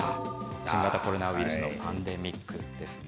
新型コロナウイルスのパンデミックですね。